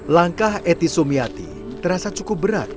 langkah eti sumiati terasa cukup berat